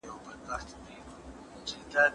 د انډول په رامنځته کولو کې د خویندو نفوذ مهم دی.